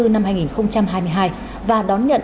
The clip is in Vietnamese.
năm hai nghìn hai mươi hai và đón nhận